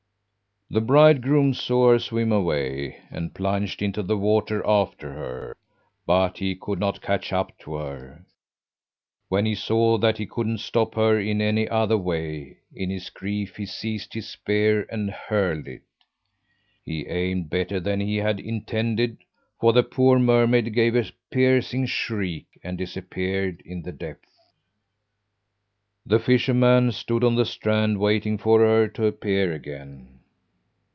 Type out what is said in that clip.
"The bridegroom saw her swim away and plunged into the water after her; but he could not catch up to her. When he saw that he couldn't stop her in any other way, in his grief he seized his spear and hurled it. He aimed better than he had intended, for the poor mermaid gave a piercing shriek and disappeared in the depths. "The fisherman stood on the strand waiting for her to appear again.